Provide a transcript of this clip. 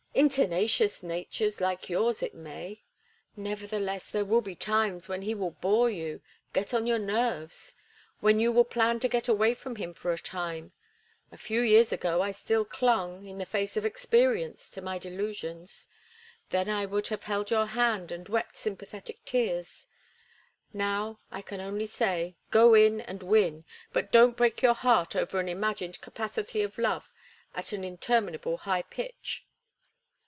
"In tenacious natures like yours it may. Nevertheless, there will be times when he will bore you, get on your nerves, when you will plan to get away from him for a time. A few years ago I still clung—in the face of experience—to my delusions. Then I would have held your hand and wept sympathetic tears. Now, I can only say, go in and win, but don't break your heart over an imagined capacity for love at an interminable high pitch."